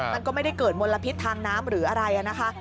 มันก็ไม่ได้เกิดมลพิษทางน้ำหรืออะไรนะคะ